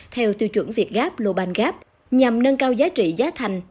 theo tiêu chuẩn việt gáp lô ban gáp nhằm nâng cao giá trị giá thành